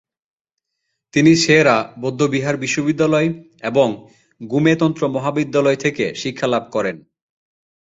তিনি সে-রা বৌদ্ধবিহার বিশ্ববিদ্যালয় এবং গ্যুমে তন্ত্র মহাবিদ্যালয় থেকে শিক্ষালাভ করেন।